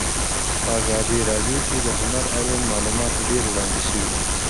په ازادي راډیو کې د هنر اړوند معلومات ډېر وړاندې شوي.